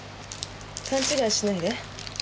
勘違いしないで。